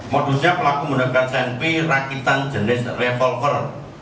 modusnya pelaku mendekat senpi rakitan jenis revolver